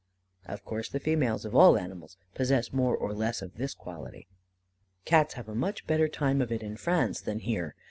Of course the females of all animals possess more or less of this quality." Cats have a much better time of it in France than here.